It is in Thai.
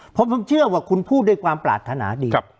เพราะผมเชื่อว่าคุณพูดด้วยความปรารถนาดี